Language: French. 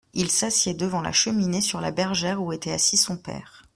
II s'assied devant la cheminée sur la bergère où était assis son père.